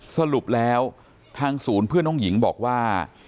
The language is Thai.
สรุปแล้วทางศูนย์เพื่อนน้องหญิงบอกว่า